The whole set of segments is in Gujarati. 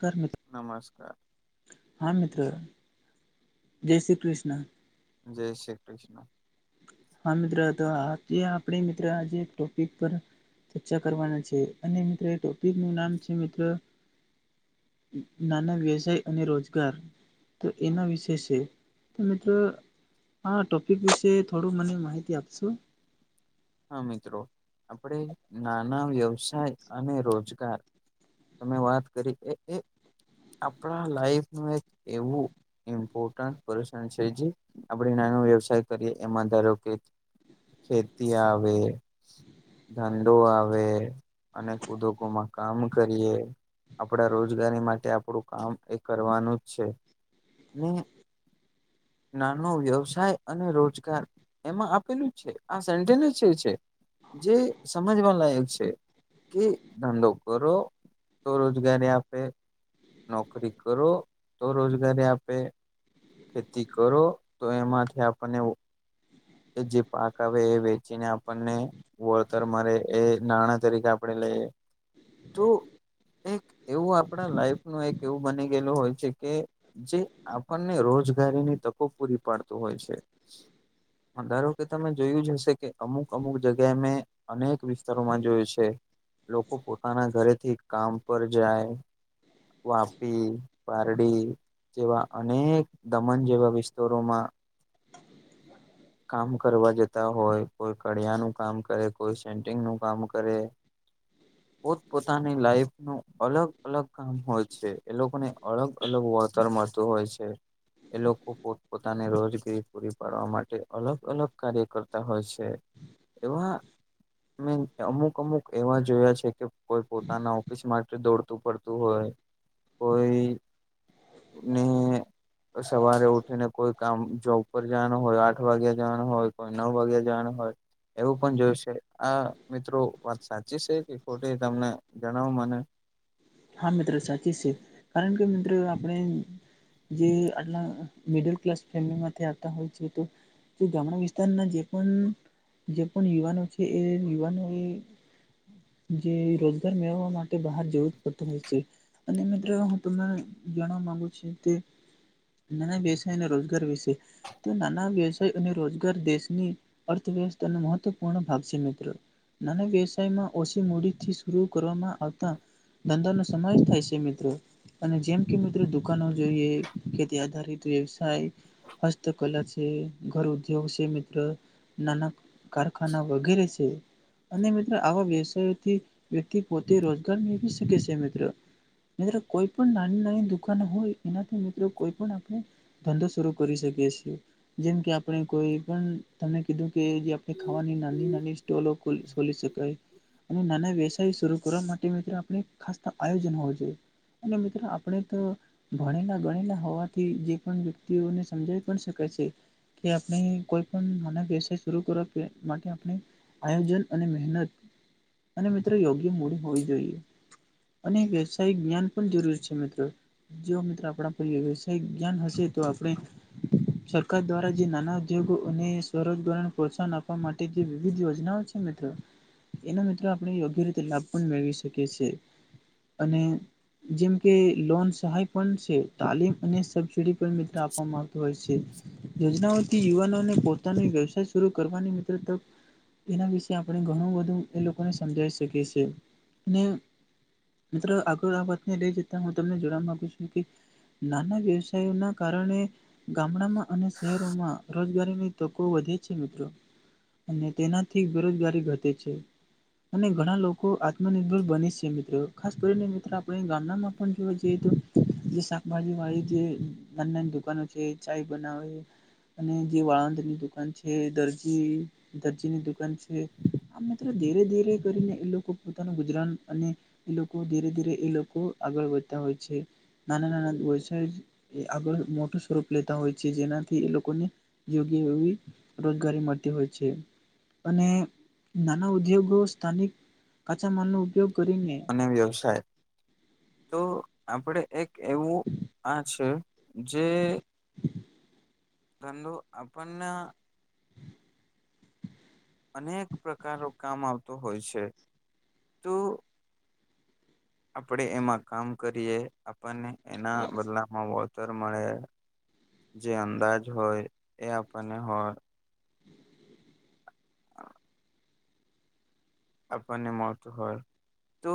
કારને નમસ્કાર. હા, મિત્ર.. જય શ્રી કૃષ્ણ. જય શ્રી કૃષ્ણ. હા, મિત્ર તો આજ આપણે મિત્ર આજે ટોપિક પર ચર્ચા કરવાના છે અને મિત્રો એ ટોપિકનું નામ છે મિત્ર નાના વ્યવસાય અને રોજગાર તો એના વિશે છે, તો મિત્ર આ ટોપિક વિશે થોડું મને માહિતી આપશો. હા, મિત્ર આપણે નાના વ્યવસાય અને રોજગાર તમે વાત કરી, કે આપણા લાઈફ એક એવું ઇમ્પોર્ટન પર્સન છે જે આપણે નાનો વ્યવસાય કરીએ એમાં ધારો કે ખેતી આવે. ધંધો આવે, અનેક ઉદ્યોગોમાં કામ કરીએ. આપણા રોજગારી માટે આપણું કામ એ કરવાનું જ છે. ને નાનો વ્યવસાય અને રોજગાર એમાં આપેલું છે, આ [unintelligible] છે જે સમજવા લાયક છે. કે ધંધો કરો તો રોજગારી આપે. નોકરી કરો તો રોજગારી આપે. ખેતી કરો તો એમાંથી આપણને એવો એ જે પાક આવે એ વેચીને આપણને વળતર મરે એ નાણાં તરીકે આપણેે લઈએ. તો એક એવું આપણા લાઈફનું એક એવું બની ગયેલું હોય છે, કે જે આપણને રોજગારીની તકો પૂરી પાડતું હોય છે. ધારો કે તમે જોયું જ હશે કે અમુક-અમુક જગ્યાએ મેં અનેક વિસ્તારોમાં જોયું છે. લોકો પોતાના ઘરેથી કામ પર જાય. વાપી, પારડી. જેવા અનેક દમન જેવા વિસ્તારોમાં કામ કરવા જતા હોય કોઈ કળિયાનું કામ કરે, કોઈ સેન્ટિંગનું કામ કરે. [inaudible] પોત-પોતાની લાઈફનું અલગ-અલગ કામ હોય છે, એ લોકોને અલગ-અલગ વળ તર મળતું હોય છે. એ લોકો પોત-પોતાની રોજગીરી પૂરી પાડવા માટે અલગ-અલગ કાર્ય કરતા હોય છે. એવા મે અમુક-અમુક એવા જોયા છે કે કોઈ પોતાના ઓફિસ માટે દોડતું પડતું હોય. કોઈ ને સવારે ઉઠીને કોઈ કામ જોબ પર જવાનું હોય, આ આઠ વાગે જવાનું હોય, કોઈ નવ વાગે જવાનું હોય. એવું પણ જોયું શે. આ મિત્રો વાત સાચી છે કે ખોટી તમને જણાવો મને. હા, મિત્ર સાચી છે. કારણ કે મિત્ર આપણે જે આટલા મિડલ ક્લાસ ફેમિલીમાંથી આવતા હોય છ. તો જે ગામડાં વિસ્તારના જે પન જે પણ યુવાનો છે એ યુવાનો એ જે રોજગાર મેળવવા માટે બહાર જવું. પડતું હોય છે. અને મિત્ર હું તમને જાણવા માંગુ છું તે નાના વ્યવસાય અને રોજગાર વિશે. તે નાના વ્યવસાય અને રોજગાર દેશની અર્થવ્યવસ્થાનો મહત્વપૂર્ણ ભાગ છે મિત્ર. નાના વ્યવસાયમાં ઓછી મૂડીથી શરૂ કરવામાં આવતા. ધંધાનો સમાવેશ થાય શે મિત્રો. અને જેમ કે મિત્રો દુકાનો જોઈએ, ખેતી આધારિત વ્યવસાય. હસ્તકલા છે, ઘર ઉદ્યોગ છે, મિત્ર નાના કારખાના વગેરે છે. અને મિત્ર આવા વ્યવસાયથી વ્યક્તિ પોતે રોજગાર મેળવી શકે છે મિત્ર. મિત્ર કોઈ પણ નાની નાની દુકાનો હોય એનાથી મિત્ર કોઈ પણ આપણે ધંધો શુરૂ કરી શકીએ છીએ. જેમ કે આપણે કોઈ પણ તમે કીધું કે જે આપણે ખાવાની નાની નાની ટોલો ખોલી શકાય. અને નાના વ્યવસાયો શરૂ કરવા માટે મિત્ર આપણે ખાસ ત આયોજન હોવું જોઈએ. અને મિત્ર આપણે ત ભણેલા ગણેલા હોવાથી જે પણ વ્યક્તિઓને સમજાવી પણ શકાય છે. કે આપણે કોઈ પણ નાના વ્યવસાય શરૂ કરવા માટે આપણે આયોજન અને મહેનત અને મિત્ર યોગ્ય મૂડી હોવી જોઈએ. અને વ્યવસાયિક જ્ઞાન પણ જરૂરી છે મિત્ર. જો મિત્રો આપણા પર વ્યવસાય જ્ઞાન હશે તો આપણે સરકાર દ્વારા જે નાના ઉદ્યોગોને સ્વરોજગારોને પ્રોત્સાહન આપવા માટે જે વિવિધ યોજનાઓ છે મિત્રો એના મિત્રો આપણે યોગ્ય રીતે લાભ પણ મેળવી શકીએ છીએ અને જેમ કે લોન સહાય પણ છે તાલીમ અને સબસિડી મિત્ર આપવામાં આવતુ હોય છે યોજના યુવાનોને પોતાનો વ્યવસાય શરૂ કરવાની મિત્રતા એના વિશે આપણે ઘણું બધું એ લોકોને સમજાવી શકીએ છીએ અને મિત્રો આગળ આ વાતને લઈ જતા હું તમને જણવા માગુ છું કે નાના વ્યવસાયો ના કારણે ગામડામાં અને શહેરોમાં રોજગારીની તોકો વધે છે મિત્રો અને તેનાથી બેરોજગારી ઘટે છે અને ઘણા લોકો આત્મનિર્ભર બની છે મિત્રો ખાસ કરીને મિત્રો આપણે ગામનામાં પણ જોવા જઈએ તો જે શાકભાજી વાળી જે નાની નાની દુકાનો છે ચાય બનાવે અને જે વાળાંદ ની દુકાન છે દરજી દરજીની દુકાન છે આમ મિત્ર ધીરે ધીરે કરીને એ લોકો પોતાનું ગુજરાન અને એ લોકો ધીરે ધીરે એ લોકો આગળ વધતા હોય છે નાના નાના વ્યવસાય આગળ મોટું સ્વરૂપ લેતા હોય છે જેનાથી એ લોકોને યોગ્ય એવી રોજગારી મળતી હોય છે અને નાના ઉદ્યોગો સ્થાનિક કાચા માલનો ઉપયોગ કરીને અને વ્યવસાય તો આપડે એક એવું આ છે જે ધંધો આપણને અનેક પ્રકારો કામ આવતો હોય છે તો આપણેે એમાં કામ કરીએ આપણને એના બદલામાં માં વળતર મળે જે અંદાજ હોય એ આપણને હોય હ આપને મોળ તુ હોય તો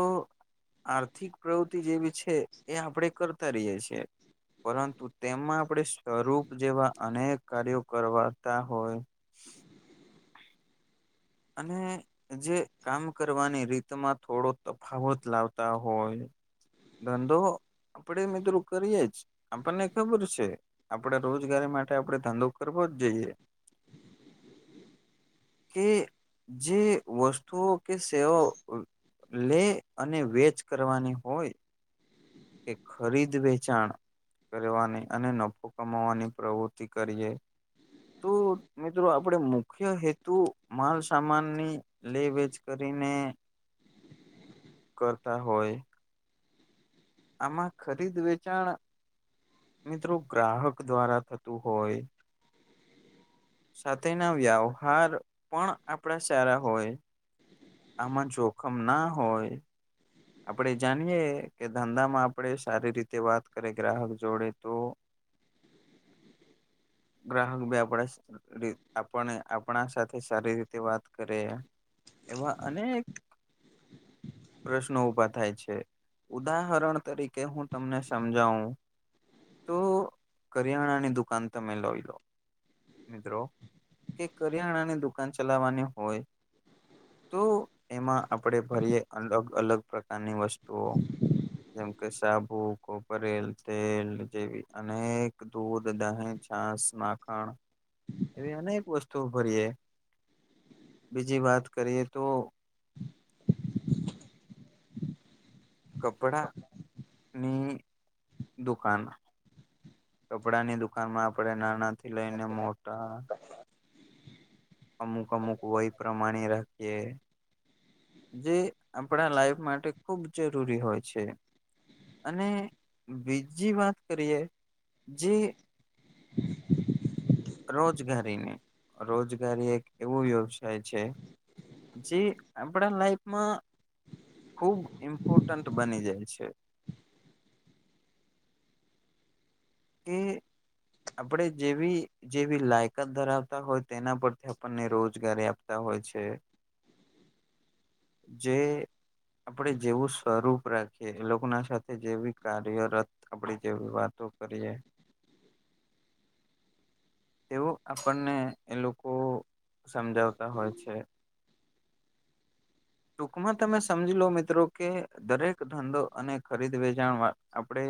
આર્થિક પ્રવૃતિ જેવી છે એ આપણે કરતા રહીએ છીએ પરંતુ તેમાં આપણે સ્વરૂપ જેવા અનેક કાર્યો કરવાતા હોય અને જે કામ કરવાની રીતમાં થોડો તફાવત લાવતા હોય ધંધો આપડે મિત્રો કરીયએ જ આપને ખબર છે આપડે રોજગારી માટે આપડે ધંધો કરવો જ જઈએ કે જે વસ્તુઓ કે સેવાઆ લે અને વેચ કરવાની હોય એ ખરીદ વેચાણ કરવાની અને નફો કમાવાની પ્રવૃત્તિ કરીએ તો મિત્રો આપણે મુખ્ય હેતુ માલસામાનની લે વેજ કરીને કરતા હોય આમાં ખરીદ વેચાણ મિત્રો ગ્રાહક દ્વારા થતું હોય સાથેના વ્યવહાર પણ આપણા સારા હોય આમાં જોખમ ના હોય આપણે જાણીએ કે ધંધામાં આપણે સારી રીતે વાત કરીએ ગ્રાહક જોડે તો ગ્રાહક બી આપણે આપ આપણા સાથે સારી રીતે વાત કરે એવા અનેક પ્રશ્નો ઉભા થાય છે ઉદાહરણ તરીકે હું તમને સમજાવું તો કરિયાણાની દુકાન તમે લઈ લો મિત્રો કે કરિયાણા ની દુકાન ચલાવવાની હોય તો એમાં આપણે ફરીએે અલગ અલગ પ્રકારની વસ્તુઓ જેમ કે સાબુ કોપરેલ તેલ જેવી અનેક દૂધ દહે છાંસ માખણ [inaudible] એવી અનેક વસ્તુ ભરીએ બીજી વાત કરીએ તો કપડા ની દુકાન કપડાની દુકાન દુકાન માં આપડણે નાના થી લઈને મોટા અમુક અમુક વય પ્રમાણે રાખીએ જે આપણા લાઈફ માટે ખુબ જરૂરી હોય છે. અને બીજી વાત કરીએ જે [inaudible] રોજગારીને રોજગારી એક એવો વ્યવસાય છે. જે આપણા લાઈફમાં ખૂબ ઇમ્પોર્ટન્ટન્ટ બની જાય છે. કે આપણે જેવી જેવી લાયકાત ધરાવતા હોય તેના પરથી આપણને રોજગારી આપતા હોય છે. જે. આપણેે જેવું સ્વરૂપ રાખીએ એ લોકો ના સાથે જેવી કાર્યરત આપડી જેવી વાતો કરીએ. એવો આપણને એ લોકો સમજાવતા હોય છે. ટૂંકમાં તમે સમજી લો મિત્રો કે દરેક ધંધો અને ખરીદ વેચાણમાં આપણે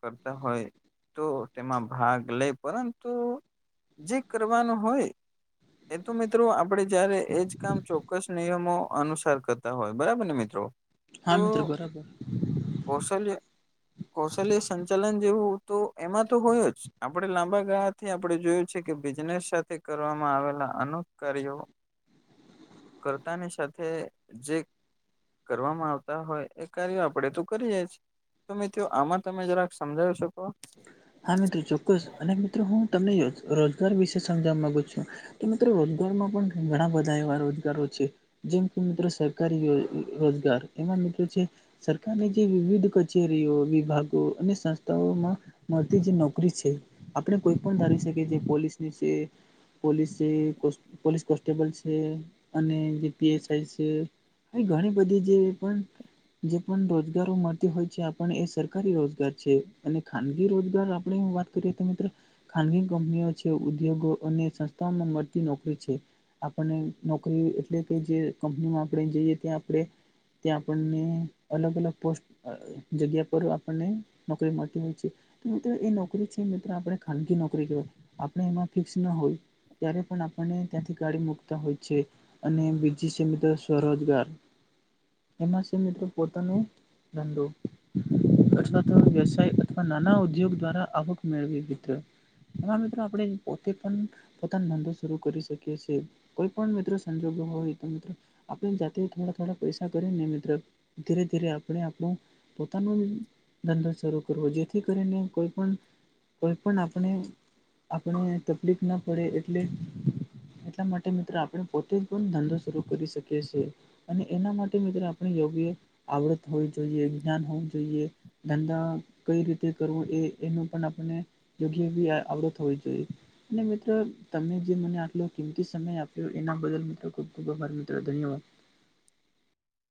કરતા હોય તો તેમાં ભાગ લે પરંતુ જે કરવાનું હોય એ તો મિત્રો આપડે જયારે એજ કામ ચોક્કસ નિયમો અનુસાર કરતા હોય બરાબર ને મિત્રો તો હા મિત્રો બરાબર કૌશલ્ય કૌશલ્ય સંચાલન જેવું તો એમાં તો હોય જ આપડણે લાંબા ગાળાથી આપડણે જોયું છે કે બિઝનેસ સાથે કરવામાં આવેલા અનોક કાર્યો હમ કરતાની સાથે જે કરવામાં આવતા હોય એ કાર્યો આપણેે તો કરીએ. તો મિત્રો આમાં તમે જરાક સમજાવી શકો. હા મિત્રો ચોક્કસ અને મિત્રો હું તમને રોજગાર વિશે સમજવા મામાંગુ છું. તો મિત્રો રોજગારમાં પણ ઘણા બધા એવા રોજગારો છે. જેમ કે મિત્રો સરકારી રોજગાર એમાં મિત્રો છે. સરકારની જે વિવિધ કચેરીઓ વિભાગો અને સંસ્થાઓમાં મળતી જે નોકરી છે આપણે કોઈ પણ ધારી શકીએ જે પોલીસ ની છે. પોલીસ છે પોલીસ કોન્સ્ટેબલ છે અને જે પીએસઆઈ છે. ઘણી બધી જે પણ જે પણ રોજગારો મળતી હોય છે આપણે એ સરકારી રોજગાર છે અને ખાન ગી રોજગાર આપણે વાત કરીએ તો મિત્રો ખાનગી કંપનીઓ છે ઉદ્યોગો અને સંસ્થાઓમાં મળતી નોકરી છે. આપણને નોકરી એટલે કે જે કંપનીમાં આપણે જઈએ ત્યા આપડે ત્યાં આપણને અલગ અલગ પોસ્ટ અ જગ્યા પર આપણને નોકરી મળતી હોય છે. મિત્રો એ નોકરી છે મિત્રો આપણે ખાનગી નોકરી કેવાય આપણે એમાં ફિક્સ ના હોય. ત્યારે પણ આપણને ત્યાંથી કાડી મુકતા હોય છે. અને બીજી છે મિત્રો સ્વરોજગાર એમાં છે મિત્રો પોતાનુ ધંધો અથવા તો વ્યવસાય અથવા નાના ઉદ્યોગ દ્વારા આવક મેળવી હા મિત્રો આપણે પોતે પણ પોતા ના ઘધો શરૂ કરી શકીએ છીએ કોઈ પણ મિત્રો સંજોગો હોય તો મિત્રો આપણે જાતે થોડા થોડા પૈસા કરી ને મિત્ર ધીરે ધીરે આપણે આપણું પોતાનો જ ધંધો શરૂ કરવો જેથી કરીને કોઈ પણ, કોઈ પણ આપણે આપણે તકલીફ ના પડે એટલે એટલા માટે મિત્રો આપણે પોતે જ પણ ધંધો શરૂ કરી શકીએ છીએ અને એના માટે મિત્રો આપણે યોગ્ય આવડત હોવી જોઈએ, જ્ઞાન હોવું જોઈએ ધંધા કઈ રીતે કરવો એ એનો પણ આપણને યોગ્ય આવડત હોવી જોઈએ અને મિત્ર તમે જે મને આટલો કિમતી સમય આપ્યો એના બદલ મિત્ર ખુબ ખુબ આભાર મિત્ર ધન્યવાદ